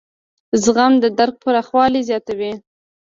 زغم د درک پراخوالی زیاتوي.